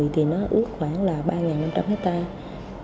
thì nó ước khoảng là ba năm trăm linh hectare